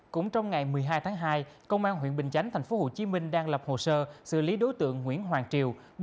cũng trong ngày một mươi hai tháng hai công an huyện bình chánh tp hcm đang lập hồ sơ xử lý đối tượng nguyễn hoàng triều